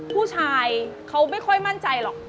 ผู้ชายเขาไม่ค่อยมั่นใจหรอก